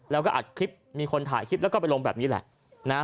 แล้วก็อัดคลิปมีคนถ่ายคลิปแล้วก็ไปลงแบบนี้แหละนะฮะ